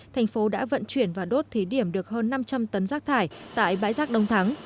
thành phố đã vận chuyển và đốt thí điểm được hơn năm trăm linh tấn rác thải tại bãi rác đông thắng